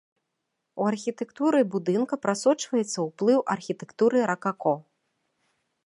У архітэктуры будынка прасочваецца ўплыў архітэктуры ракако.